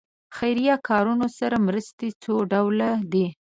خیریه کارونو سره مرستې څو ډوله دي.